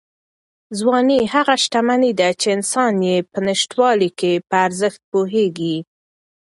ځواني هغه شتمني ده چې انسان یې په نشتوالي کې په ارزښت پوهېږي.